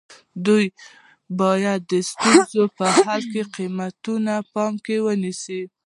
دوی باید د ستونزو په حل کې قیمت په پام کې ونیسي.